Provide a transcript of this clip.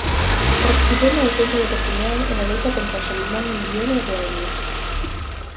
Participou na defensa de Perpiñán e na loita contra Solimán en Viena e Bohemia.